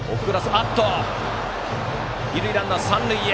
二塁ランナー、三塁へ。